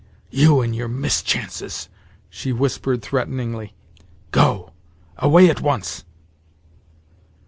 "You and your mischances!" she whispered threateningly. "Go! Away at once!"